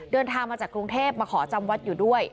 เดินทางมาจากกรุงเทพมาขอจำวัดอยู่ด้วย